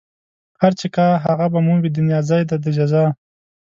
هر چې کا هغه به مومي دنيا ځای دئ د جزا